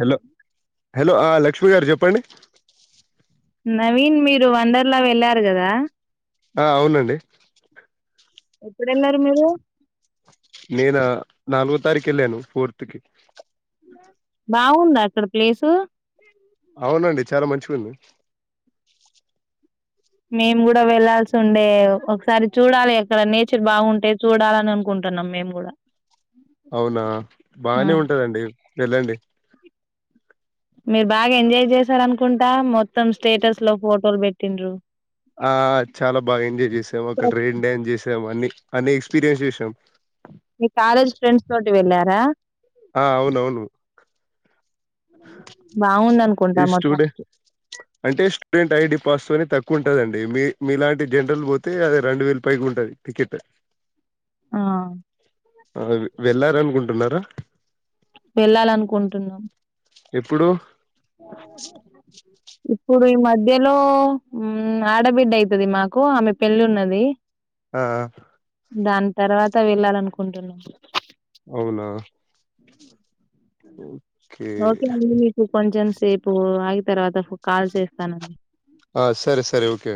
hello hello ఆ లక్ష్మీ గారు చెప్పండి నవీన్ మీరు వండర్లా వెళ్ళారు కదా ఆ అవునండి ఎక్కడున్నారు మీరు తారీకెల్లాను ఫోర్త్ కి బాగుంద అక్కడ ప్లేసు అవునండి చాలా మంచిగుంది మేము కూడా వెళ్లాల్సి ఉండే ఒకసారి చూడాలి అక్కడ నేచర్ బాగుంటే చూడాలని అనుకుంటున్నాం మేము కూడా అవునా ఆ బానే ఉంటదండి వెళ్ళండి మీరు బాగా ఎంజాయ్ చేసార అనుకుంటా మొత్తం స్టేటస్ లో ఫోటోలు పెట్టిన్రు ఆ చాలా బాగా ఎంజాయ్ చేసాము ఒక రెయిన్ డ్యాన్ చేసాము అన్ని అన్ని ఎక్స్పీరియన్స్ చేసాం మీ కాలేజ్ ఫ్రెండ్స్ తోటి వెళ్ళారా ఆ అవునవును బాగుందనుకుంటా ఈ స్టూడెంట్ మొత్తానికి అంటే స్టూడెంట్ ఐడి పాస్ అని తక్కువ ఉంటదండి మీ మీలాంటి జనరల్ పోతే అది రెండు వేలకి పైకి ఉంటుంది టికెట్ ఆ ఆ వెళ్ళార అనుకుంటు ఉన్నారా వెళ్ళాలడుకుంటున్నాం ఎప్పుడు ఇప్పుడు ఈ మ మధ్యలో ఆడబిడ్డ అయితుది మాకు ఆమె పెళ్లి ఉన్నది ఆ దాని తర్వాత వెళ్ళాలనుకుంటున్నా అవునా ఓ ఓకే అండి మీకు కొంచెం సేపు ఆగి తర్వాత కాల్ చేస్తానండి ఆ సరే సరే ఓకే